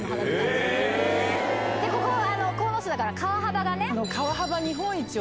ここ鴻巣だから川幅がね。